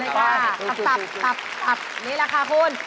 ๔ตับเลยค่ะตับนี่แหละค่ะคุณ